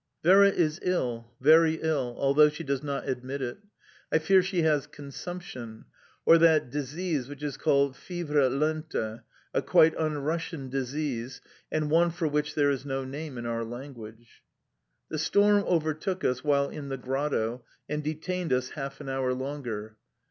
Vera is ill, very ill, although she does not admit it. I fear she has consumption, or that disease which is called "fievre lente" a quite unRussian disease, and one for which there is no name in our language. The storm overtook us while in the grotto and detained us half an hour longer.